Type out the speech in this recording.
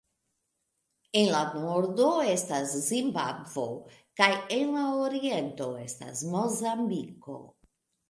En la nordo estas Zimbabvo, kaj en la oriento estas Mozambiko.